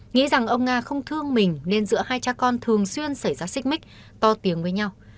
nghĩ rằng ông nga không thương mình nên giữa hai cha con thường xuyên xảy ra xích mích to tiếng với nhau